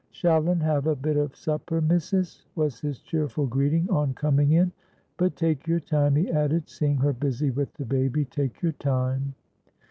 "Shall un have a bit of supper, missus?" was his cheerful greeting on coming in. "But take your time," he added, seeing her busy with the baby, "take your time."